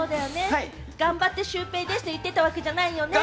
頑張ってシュウペイです！って言ってたわけじゃないよね？